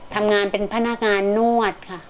ทำงานเป็นพนักงานนวดค่ะ